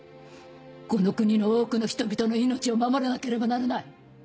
この国の多くの人々の命を守らなければならない。